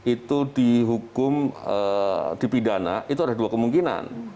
itu dihukum dipidana itu ada dua kemungkinan